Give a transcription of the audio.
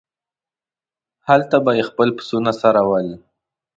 هلته به یې خپل پسونه څرول.